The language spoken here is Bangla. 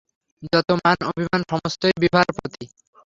যত মান অভিমান সমস্তই বিভার প্রতি।